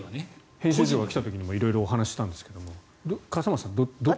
編集長が来た時も色々お話ししたんですが笠松さんはどっちが？